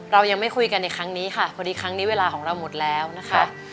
เรายังไม่คุยกันในครั้งนี้ค่ะพอดีครั้งนี้เวลาของเราหมดแล้วนะคะ